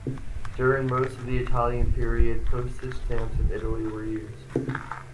During most of the Italian period, postage stamps of Italy were used.